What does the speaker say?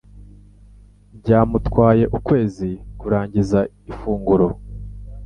Byamutwaye ukwezi kurangiza ifunguro.